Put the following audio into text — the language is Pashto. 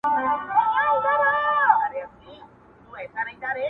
اوبو ته اور حـبــاب تـــه اور اچـــــــــــوم.